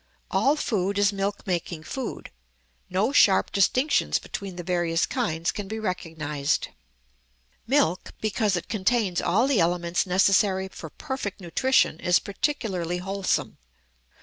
All food is milk making food; no sharp distinctions between the various kinds can be recognized. Milk, because it contains all the elements necessary for perfect nutrition, is particularly wholesome.